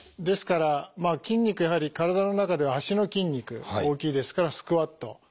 ですから筋肉やはり体の中では足の筋肉大きいですからスクワット。